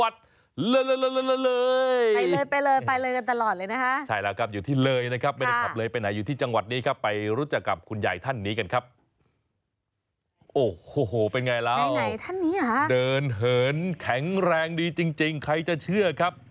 เดินเหินแข็งแรงดีจริงใครจะเชื่อครับ